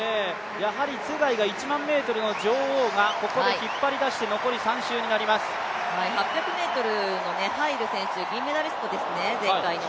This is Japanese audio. やはりツェガイが１００００ｍの女王が引っ張り出して８００ｍのハイル選手、銀メダリストですね、前回の。